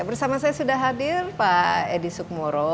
bersama saya sudah hadir pak edi sukmoro